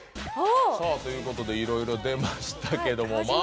さあということでいろいろ出ましたけども。